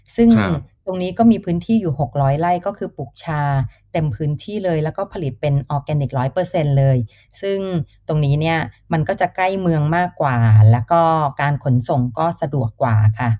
ซึ่งตรงนี้ก็มีพื้นที่อยู่๖๐๐ไร่ก็คือปลูกชาเต็มพื้นที่เลยแล้วก็ผลิตเป็นออร์แกนิคร้อยเปอร์เซ็นต์เลยซึ่งตรงนี้เนี่ยมันก็จะใกล้เมืองมากกว่าแล้วก็การขนส่งก็สะดวกกว่าค่ะ